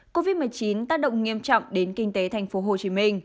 covid một mươi chín tác động nghiêm trọng đến kinh tế tp hcm